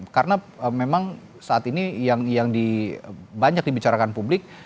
karena memang saat ini yang banyak dibicarakan publik